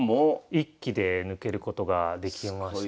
１期で抜けることができまして。